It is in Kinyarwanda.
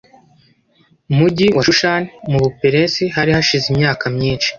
mugi wa Shushani mu Buperesi Hari hashize imyaka myinshi